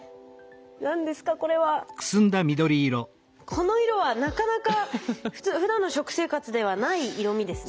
この色はなかなかふだんの食生活ではない色みですね。